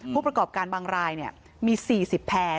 ผู้ประกอบการบังรายเนี่ยมี๔๐แผ่